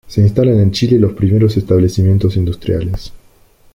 Se instalan en Chile los primeros establecimientos industriales.